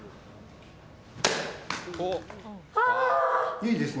いいですね。